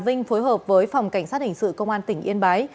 trà vinh phối hợp với phòng cảnh sát hành sự công an tỉnh yên bái